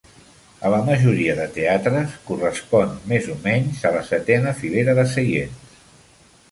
A la majoria de teatres, correspon més o menys a la setena filera de seients.